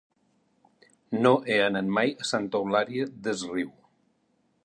No he anat mai a Santa Eulària des Riu.